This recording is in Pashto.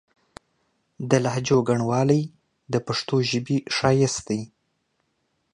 د لهجو ګڼوالی د پښتو ژبې ښايست دی.